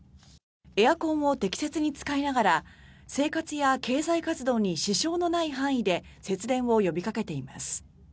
エアコンを適切に使いながら生活や経済活動に支障のない範囲で節電を呼びかけています。